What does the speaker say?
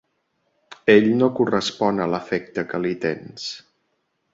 Ell no correspon a l'afecte que li tens.